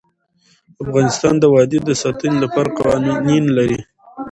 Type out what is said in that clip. افغانستان د وادي د ساتنې لپاره قوانین لري.